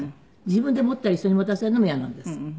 自分で持ったり人に持たせるのも嫌なんです。